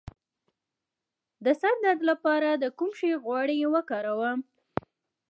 د سر درد لپاره د کوم شي غوړي وکاروم؟